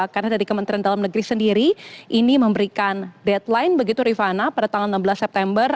karena dari kementerian dalam negeri sendiri ini memberikan deadline begitu rivana pada tanggal enam belas september